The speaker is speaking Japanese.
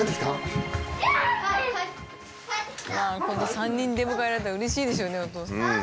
３人出迎えられたらうれしいでしょうねお父さん。